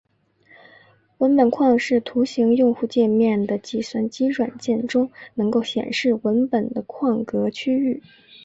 文本框是图形用户界面的计算机软件中能够显示文本的框格区域。